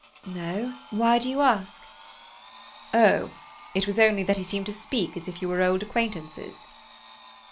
"No. Why do you ask?" "Oh, it was only that he seemed to speak as if you were old acquaintances."